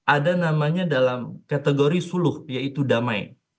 ada namanya dalam kategori suluh yaitu damai